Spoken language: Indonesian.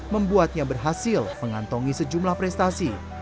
membuatnya berhasil mengantongi sejumlah prestasi